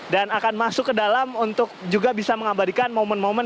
dan akan masuk ke dalam untuk juga bisa mengabadikan momen momen